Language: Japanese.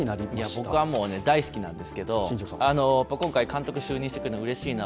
僕は大好きなんですけど、今回、監督に就任してくれるのはうれしいな。